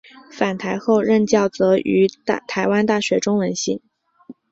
返台后任教则于台湾大学中文系。